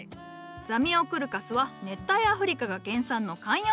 ザミオクルカスは熱帯アフリカが原産の観葉植物じゃ。